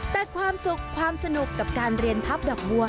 แต่ความสุขความสนุกกับการเรียนพับดอกบัว